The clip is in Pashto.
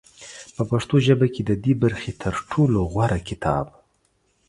په پښتو ژبه کې د دې برخې تر ټولو غوره کتاب